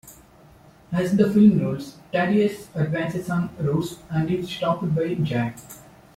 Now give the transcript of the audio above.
As the film rolls, Thaddius advances on Rose and is stopped by Jack.